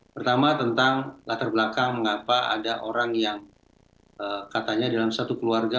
pertama tentang latar belakang mengapa ada orang yang katanya dalam satu keluarga